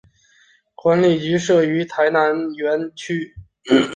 管理局设于台南园区。